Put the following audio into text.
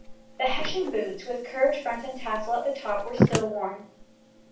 The Hessian boots with curved front and tassel at the top were still worn.